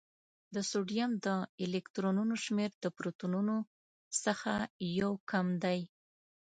د سوډیم د الکترونونو شمېر د پروتونونو څخه یو کم دی.